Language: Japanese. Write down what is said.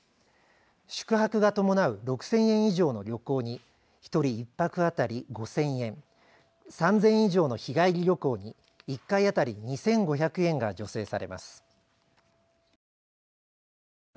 宿泊が伴う６０００円以上の旅行に１人１泊当たり５０００円、３０００円以上の日帰り旅行に１回当たり２５００円が助成されます。